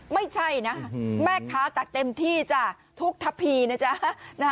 ไม่ใช่นะแม่ค้าตักเต็มที่จ้ะทุกทะพีนะจ๊ะ